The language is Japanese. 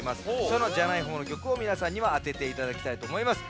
そのじゃない方の曲をみなさんにはあてていただきたいとおもいます。